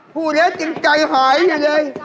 ผู้เลี้ยจริงใจหายเลย